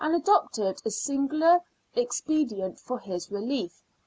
adopted a singular expedient for his relief.